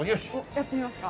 やってみますか？